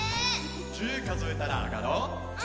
１０かぞえたらあがろう！